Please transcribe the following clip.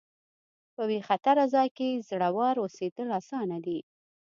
په بې خطره ځای کې زړور اوسېدل اسانه دي.